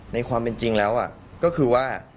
ในความเป็นจริงแล้วก็คือว่า